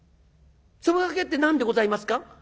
そば賭けって何でございますか？」。